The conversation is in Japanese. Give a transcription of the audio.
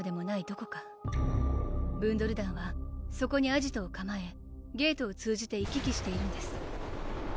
どこかブンドル団はそこにアジトをかまえゲートを通じて行き来しているんです